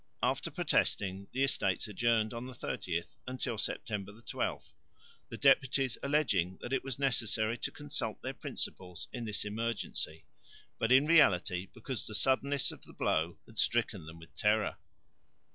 After protesting the Estates adjourned on the 30th until September 12, the deputies alleging that it was necessary to consult their principals in this emergency, but in reality because the suddenness of the blow had stricken them with terror.